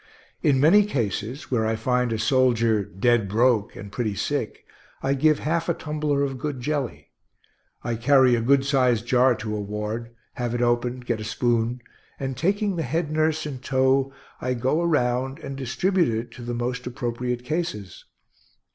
In many cases, where I find a soldier "dead broke" and pretty sick, I give half a tumbler of good jelly. I carry a good sized jar to a ward, have it opened, get a spoon, and taking the head nurse in tow, I go around and distribute it to the most appropriate cases.